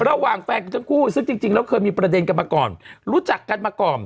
ระหว่างแฟนของทั้งคู่ซึ่งจริงแล้วเคยมีประเด็นกันมาก่อนรู้จักกันมาก่อน